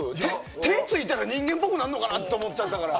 手ついたら人間ぽくなるのかなと思ったから。